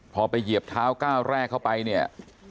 พอไปเหยียบเท้าก้าวแรกเข้าไปเนี่ย